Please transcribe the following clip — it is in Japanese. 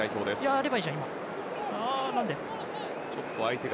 やればいいじゃん、今の。